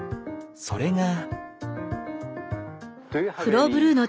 それが。